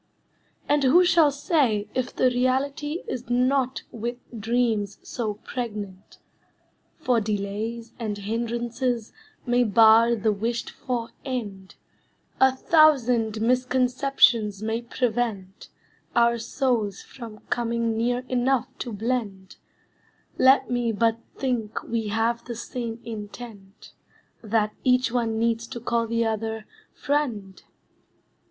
And who shall say if the reality Is not with dreams so pregnant. For delays And hindrances may bar the wished for end; A thousand misconceptions may prevent Our souls from coming near enough to blend; Let me but think we have the same intent, That each one needs to call the other, "friend!"